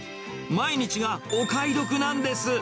毎日がお買い得なんです。